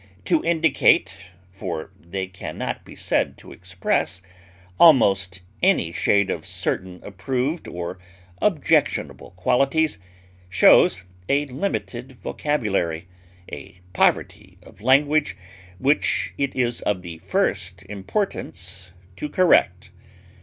to indicate (for they can not be said to express) almost any shade of certain approved or objectionable qualities, shows a limited vocabulary, a poverty of language, which it is of the first importance to correct.